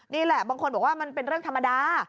นี่แหละบางคนบอกว่ามันเป็นเรื่องธรรมดา